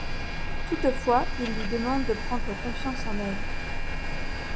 Toutefois il lui demande de prendre confiance en elle.